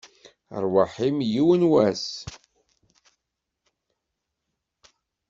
Rrwaḥ-im, yiwen n wass!